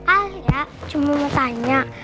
ayah cuma mau tanya